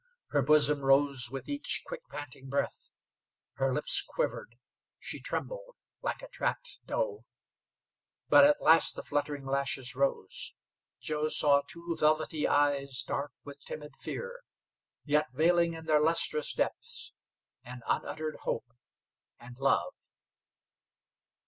Her bosom rose with each quick panting breath; her lips quivered, she trembled like a trapped doe. But at last the fluttering lashes rose. Joe saw two velvety eyes dark with timid fear, yet veiling in their lustrous depths an unuttered hope and love.